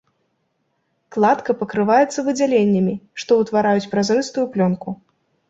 Кладка пакрываецца выдзяленнямі, што ўтвараюць празрыстую плёнку.